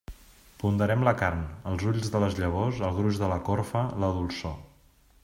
Ponderem la carn, els ulls de les llavors, el gruix de la corfa, la dolçor.